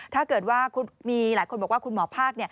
ถ้าเกิดว่ามีหลายคนบอกว่าคุณหมอภาค